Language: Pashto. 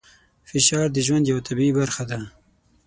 فشار د ژوند یوه طبیعي برخه ده.